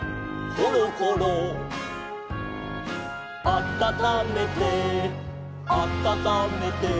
「あたためてあたためて」